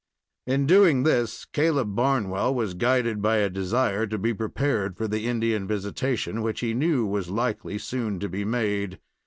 In doing this Caleb Barnwell was guided by a desire to be prepared for the Indian visitation, which he knew was likely soon to be made.